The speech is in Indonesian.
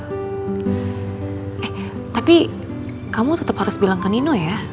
eh tapi kamu tetap harus bilang ke nino ya